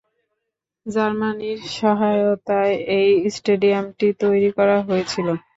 জার্মানির সহায়তায় এই স্টেডিয়ামটি তৈরি করা হয়েছিল।